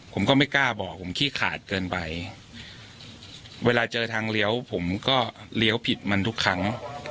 ผมก็ไม่กล้าบอกผมขี้ขาดเกินไปเวลาเจอทางเลี้ยวผมก็เลี้ยวผิดมันทุกครั้ง